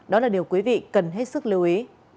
đó là điều quý vị cần hết sức lưu ý